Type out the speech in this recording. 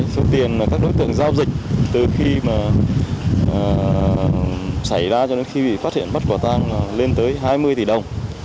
số tiền mà các đối tượng giao dịch từ khi mà xảy ra cho đến khi bị phát hiện bắt quả tang là lên tới hai mươi tỷ đồng